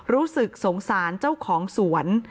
รู้สึกสงสารเจ้าของสวน